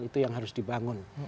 itu yang harus dibangun